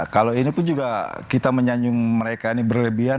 kalau ini pun juga kita menyanjung mereka ini berlebihan